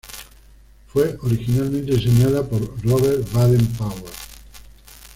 Fue originalmente diseñada por Robert Baden-Powell.